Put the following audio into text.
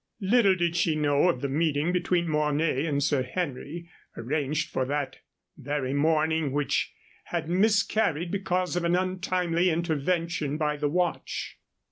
Little did she know of the meeting between Mornay and Sir Henry, arranged for that very morning, which had miscarried because of an untimely intervention by the watch.